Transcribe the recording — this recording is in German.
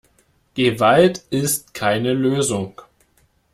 Gewalt ist keine Lösung.